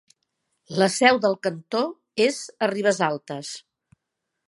La seu del cantó és a Ribesaltes.